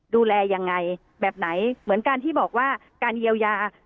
ดูแลยังไงแบบไหนเหมือนการที่บอกว่าการเยียวยา